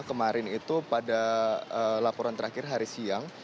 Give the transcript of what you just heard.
kemarin itu pada laporan terakhir hari siang